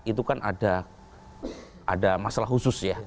itu kan ada masalah khusus ya